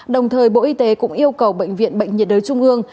đồng thời bộ y tế cũng yêu cầu bệnh viện bệnh nhiệt đới trung ương